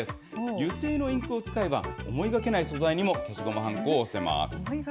油性のインクを使えば、思いがけない素材にも、消しゴムはんこを押せます。